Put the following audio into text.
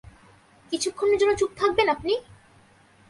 কিছুক্ষণের জন্য চুপ থাকবেন আপনি?